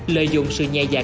lợi dụng sự nhẹ dà